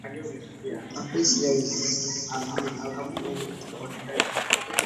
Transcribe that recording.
Ofisi ya Waziri Mkuu Tawala za Mikoa na Serikali za Mitaa Tamisemi Mheshimiwa